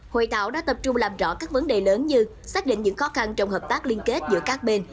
hội thảo đã tập trung làm rõ các vấn đề lớn như xác định những khó khăn trong hợp tác liên kết giữa các bên